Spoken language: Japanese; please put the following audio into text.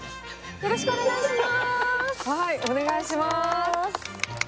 よろしくお願いします